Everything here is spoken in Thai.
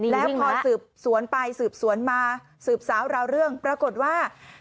แล้วพอสืบสวนไปสืบสวนมาสืบสาวราวเรื่องปรากฏว่า